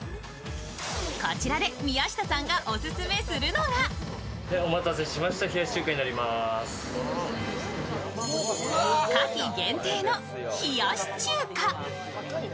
こちらで宮下さんがオススメするのが夏季限定の冷やし中華。